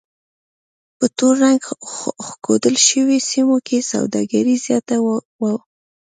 په تور رنګ ښودل شویو سیمو کې سوداګري زیاته وه.